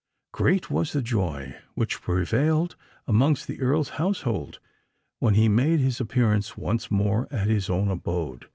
Great was the joy which prevailed amongst the Earl's household, when he made his appearance once more at his own abode.